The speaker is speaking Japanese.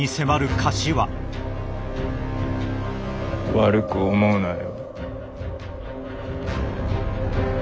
悪く思うなよ。